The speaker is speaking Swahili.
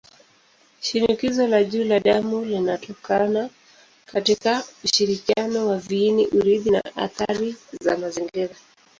Shinikizo la juu la damu linatokana katika ushirikiano wa viini-urithi na athari za mazingira.